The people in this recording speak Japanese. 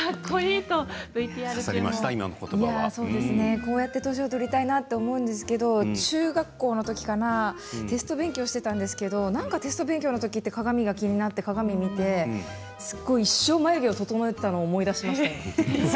こうやって年を取りたいなと思うんですけど中学校のときかな、テスト勉強してたんですけどなんかテスト勉強のときって鏡が気になって鏡を見て一生眉毛を整えていたのを思い出しました。